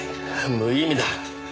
無意味だ。